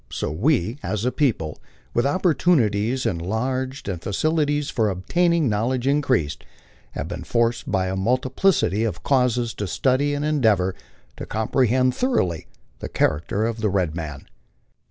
BO we, as a people, with opportunities enlarged and facilities for obtaining knowledge increased, have been forced by a multiplicity of causes to study and endeavor to comprehend thoroughly the character of the red man.